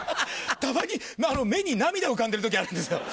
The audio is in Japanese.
たまに目に涙浮かんでる時あるんですよ。